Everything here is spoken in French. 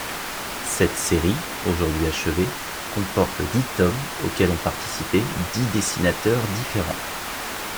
Cette série, aujourd'hui achevée, comporte dix tomes auxquels ont participé dix dessinateurs différents.